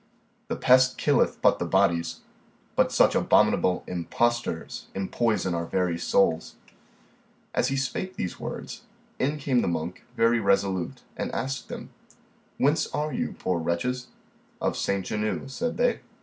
The pest killeth but the bodies, but such abominable imposters empoison our very souls. As he spake these words, in came the monk very resolute, and asked them, Whence are you, you poor wretches? Of Saint Genou, said they.